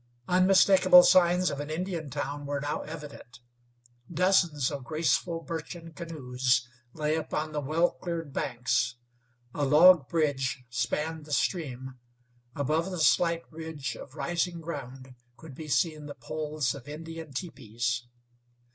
Unmistakable signs of an Indian town were now evident. Dozens of graceful birchen canoes lay upon the well cleared banks; a log bridge spanned the stream; above the slight ridge of rising ground could be seen the poles of Indian teepees.